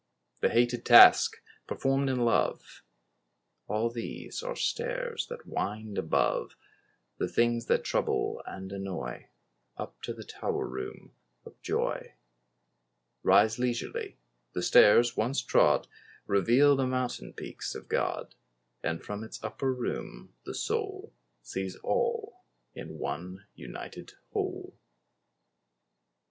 The hated task performed in love— All these are stairs that wind above The things that trouble and annoy, Up to the Tower room of joy. Rise leisurely; the stairs once trod Reveal the mountain peaks of God; And from its upper room the soul Sees all, in one united whole.